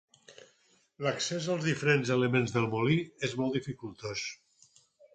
L'accés als diferents elements del molí és molt dificultós.